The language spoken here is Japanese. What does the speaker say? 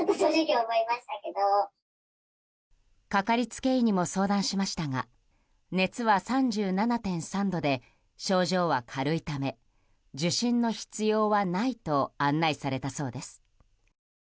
かかりつけ医にも相談しましたが熱は３７．３度で症状は軽いため受診の必要はないと案内されたそうです。